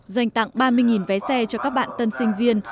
dành tặng ba mươi vé xe cho các bạn tân sinh viên